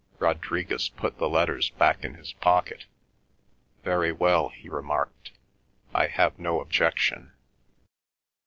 Rodriguez put the letters back in his pocket. "Very well," he remarked. "I have no objection."